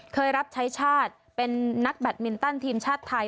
รับใช้ชาติเป็นนักแบตมินตันทีมชาติไทย